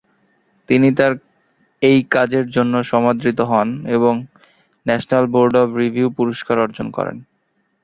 তিনি তার এই কাজের জন্য সমাদৃত হন এবং ন্যাশনাল বোর্ড অব রিভিউ পুরস্কার অর্জন করেন।